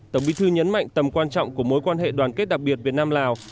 tổng bí thư nhấn mạnh tầm quan trọng của mối quan hệ đoàn kết đặc biệt việt nam lào